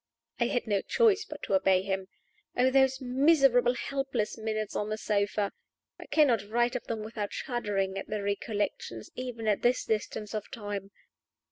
I had no choice but to obey him. Oh, those miserable, helpless minutes on the sofa! I cannot write of them without shuddering at the recollection even at this distance of time.